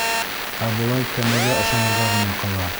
Ә былай кәмәгә ышанырға ғына ҡала.